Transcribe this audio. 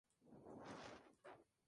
Habita el Indo Pacífico.